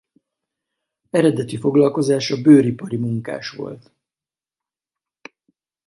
Eredeti foglalkozása bőripari munkás volt.